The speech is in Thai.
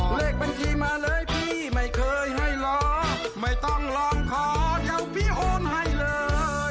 เลขบัญชีมาเลยพี่ไม่เคยให้ลองไม่ต้องลองขอเจ้าพี่โอนให้เลย